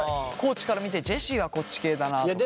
地から見てジェシーはこっち系だなとか。